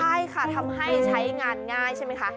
ใช่ค่ะทำให้ใช้งานง่ายใช่ไหมคะ